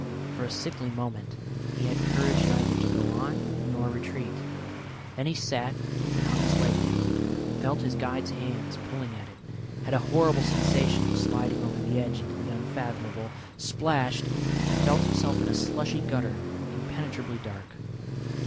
For a sickly moment he had courage neither to go on nor retreat, then he sat and hung his leg down, felt his guide's hands pulling at him, had a horrible sensation of sliding over the edge into the unfathomable, splashed, and felt himself in a slushy gutter, impenetrably dark.